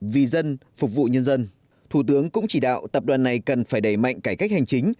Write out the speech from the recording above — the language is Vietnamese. vì dân phục vụ nhân dân thủ tướng cũng chỉ đạo tập đoàn này cần phải đẩy mạnh cải cách hành chính